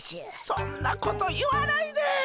そんなこと言わないで。